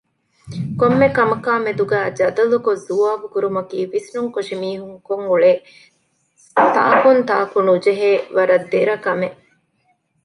ކޮންމެކަމަކާމެދުގައި ޖަދަލުކޮށް ޒުވާބުކުރުމަކީ ވިސްނުންކޮށި މީހުންކޮށްއުޅޭ ތާކުންތާކުނުޖެހޭ ވަރަށް ދެރަކަމެއް